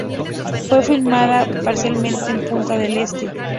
Fue filmada parcialmente en Punta del Este.